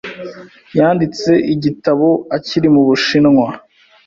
Yanditse igitabo akiri mu Bushinwa.